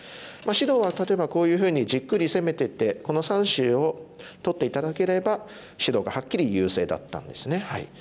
白は例えばこういうふうにじっくり攻めててこの３子を取って頂ければ白がはっきり優勢だったんですね。